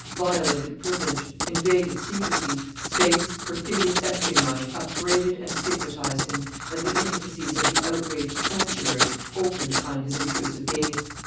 Violated privilege, invaded secrecy, base, perfidious espionage upbraided and stigmatized him, as the intricacies of the outraged sanctuary opened upon his intrusive gaze.